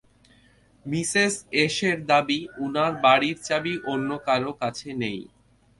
Mrs এশের দাবি উনার বাড়ির চাবি অন্য কারো কাছে নেই।